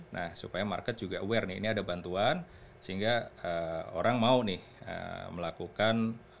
nah supaya market juga aware nih ini ada bantuan sehingga orang mau nih melakukan